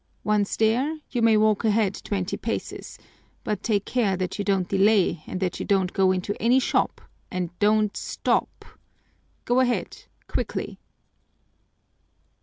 Once there you may walk ahead twenty paces, but take care that you don't delay and that you don't go into any shop, and don't stop. Go ahead, quickly!"